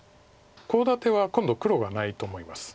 コウ立ては今度黒がないと思います。